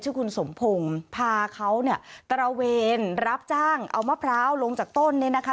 คุณสมพงศ์พาเขาเนี่ยตระเวนรับจ้างเอามะพร้าวลงจากต้นเนี่ยนะคะ